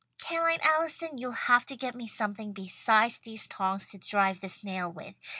"Ca'line Allison, you'll have to get me something besides these tongs to drive this nail with.